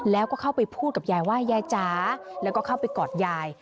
แล้วก็เข้าไปพูดกับยายว่ายายจ๋าแล้วก็เข้าไปกอดยาย